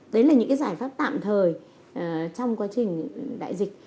đấy là những cái giải pháp tạm thời trong quá trình đại dịch